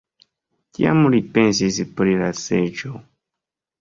Tiam li pensis pri la seĝo.